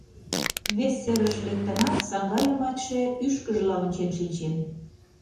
Вес серыш лектынат, саҥга йымачше ӱшкыжла ончен шинчен.